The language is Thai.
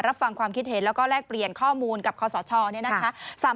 รับฟังความคิดเห็นและแลกเปลี่ยนข้อมูลกับข้อสอชอบ